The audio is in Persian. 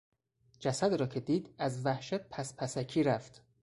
جسد را که دید از وحشت پس پسکی رفت.